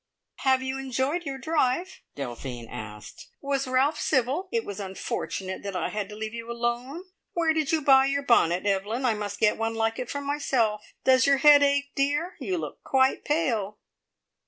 "Have you enjoyed your drive?" Delphine asked. "Was Ralph civil? It was unfortunate that I had to leave you alone. Where did you buy your bonnet, Evelyn? I must get one like it for myself. Does your head ache, dear? You look quite pale."